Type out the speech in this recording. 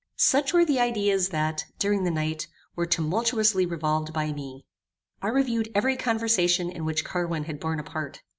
Such were the ideas that, during the night, were tumultuously revolved by me. I reviewed every conversation in which Carwin had borne a part.